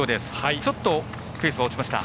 ちょっとペースが落ちました。